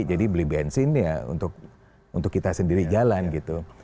jadi beli bensin ya untuk kita sendiri jalan gitu